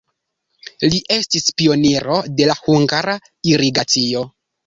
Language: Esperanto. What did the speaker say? Li estis pioniro de la hungara irigacio.